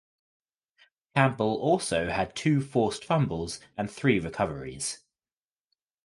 Campbell also had two forced fumbles and three recoveries.